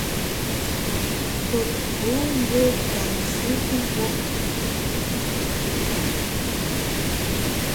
Peg pǔ ngwɔ́ pajʉʼ ngwóŋ.